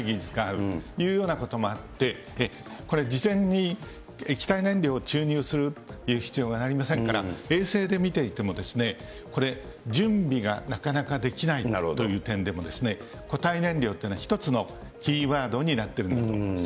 というようなこともあって、これ事前に液体燃料を注入する必要がありませんから、衛星で見ていても、準備がなかなかできないという点でも、固体燃料というのは、一つのキーワードになっているんだと思います。